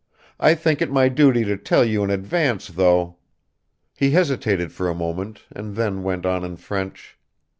I think it my duty to tell you in advance, though ...." He hesitated for a moment and then went on in French.